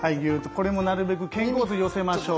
これもなるべく肩甲骨寄せましょう。